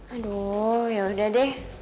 aduh yaudah deh